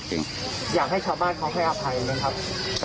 อยากให้ชาวบ้านเขาให้อภัยไหมครับ